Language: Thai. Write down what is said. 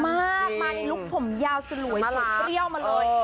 มาในลูกผมยาวสลวยสดเตรียวมาเลย